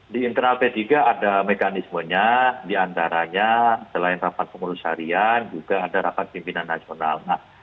di internal p tiga ada mekanismenya diantaranya selain rapat pengurus harian juga ada rapat pimpinan nasional